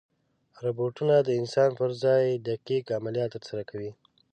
روبوټونه د انسان پر ځای دقیق عملیات ترسره کوي.